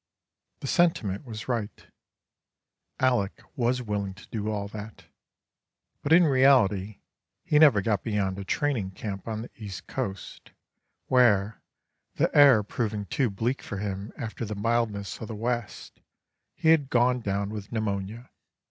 The sentiment was right—Aleck was willing to do all that; but in reality he never got beyond a training camp on the east coast, where, the air proving too bleak for him after the mildness of the west, he had gone down with pneumonia.